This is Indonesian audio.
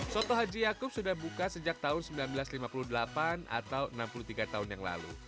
soto haji yaakub sudah buka sejak tahun seribu sembilan ratus lima puluh delapan atau enam puluh tiga tahun yang lalu